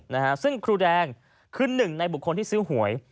นะฮะซึ่งครูแดงคือหนึ่งในบุคคลที่ซื้อหวย